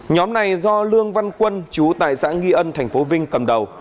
nhóm này do lương văn quân chú tài sản nghi ân tp vinh cầm đầu